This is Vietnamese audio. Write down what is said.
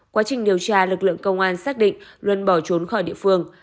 quá trình điều tra lực lượng công an xác định luân bỏ trốn khỏi địa phương